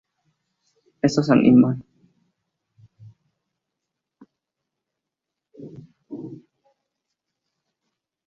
Estos animales eran probablemente anfibios y vivieron en ambientes pantanosos.